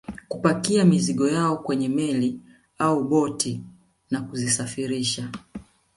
Kupakia mizigo yao kwenye meli au boti na kuzisafirisha